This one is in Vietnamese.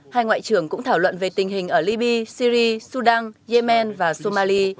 hai ngoại trưởng cũng thảo luận về tình hình ở libya syri sudan yemen và somalia